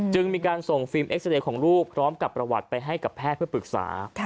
จึงมีการส่งฟิล์มเอ็กซาเรย์ของลูกพร้อมกับประวัติไปให้กับแพทย์เพื่อปรึกษา